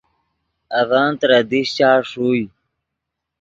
اڤن ترے دیشچا ݰوئے